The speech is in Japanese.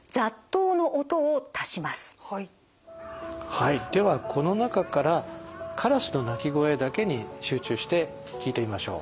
はいではこの中からカラスの鳴き声だけに集中して聴いてみましょう。